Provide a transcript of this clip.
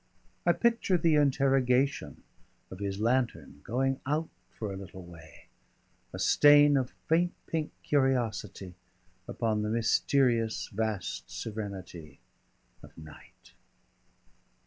I picture the interrogation of his lantern going out for a little way, a stain of faint pink curiosity upon the mysterious vast serenity of night.